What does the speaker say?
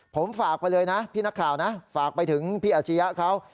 ผมฝากไปเลยนะพี่นักข่าวนะฝากไปถึงพี่อาชียะเขา